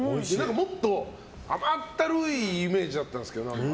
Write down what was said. もっと甘ったるいイメージあったんですけど。